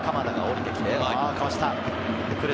鎌田が下りて来てかわした。